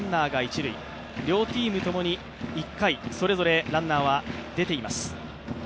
両チームともに１回、それぞれランナーは出ています。